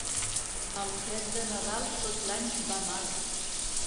El fred de Nadal tot l'any va mal.